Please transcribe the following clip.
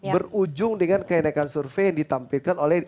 berujung dengan kenaikan survei yang ditampilkan oleh